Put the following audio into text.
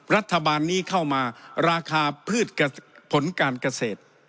รัฐบาลนี้เข้ามาราคาพืชผลการเกษตร